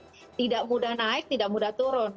lebih baik tidak mudah naik tidak mudah turun